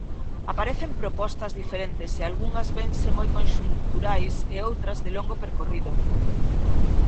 Aparecen propostas diferentes e algunhas vense moi conxunturais e outras de longo percorrido.